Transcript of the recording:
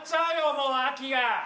もう秋が！